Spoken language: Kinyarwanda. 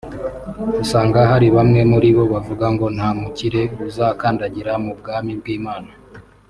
usanga hari bamwe muri bo bavuga ngo nta mukire uzakandagira mu bwami bw’Imana